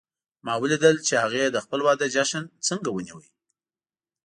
ما ولیدل چې هغې د خپل واده جشن څنګه ونیو